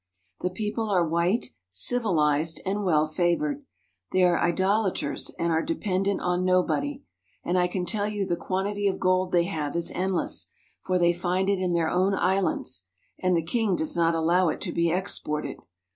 The people are white, civilized, and well favored. They are idolaters, and are dependent on nobody. And I can tell you the quantity of gold they have is endless; for they find it in their own islands [and the king does not allow it to be exported.